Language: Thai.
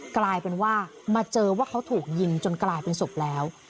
กลายเป็นว่ามาเจอว่าเขาถูกยิงจนกลายเป็นศพแล้ว